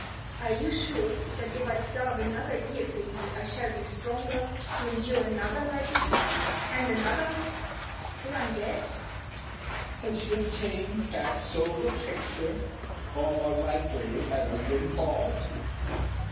Are you sure That if I starve another year for you I shall be stronger To endure another like it and another till I'm dead?" "Has your tame cat sold a picture? or more likely had a windfall?